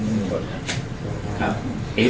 อื้อ